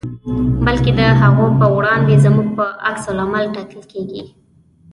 بلکې د هغو په وړاندې زموږ په عکس العمل ټاکل کېږي.